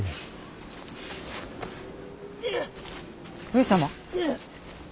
上様。